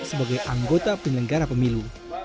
sebagai anggota penyelenggara pemilu